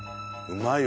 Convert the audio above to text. うまい！